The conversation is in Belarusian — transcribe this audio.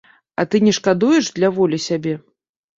А ты не шкадуеш для волі сябе.